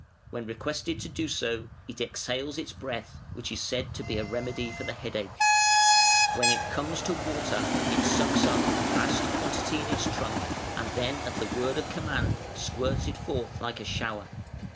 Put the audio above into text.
When requested to do so, it exhales its breath, which is said to be a remedy for the headache. "When it comes to water, it sucks up a vast quantity in its trunk, and then at the word of command squirts it forth like a shower.